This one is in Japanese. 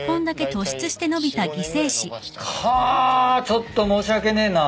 ちょっと申し訳ねえな。